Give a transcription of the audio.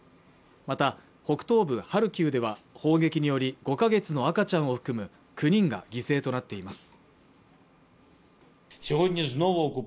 また北東部ハルキウでは砲撃により５か月の赤ちゃんを含む９人が犠牲となっています